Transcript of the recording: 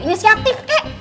ini siatif kak